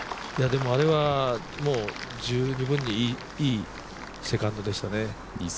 でも、あれは十二分にいいセカンドでしたね。